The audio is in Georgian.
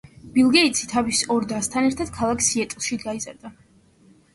ბილ გეიტსი თავის ორ დასთან ერთად ქალაქ სიეტლში გაიზარდა.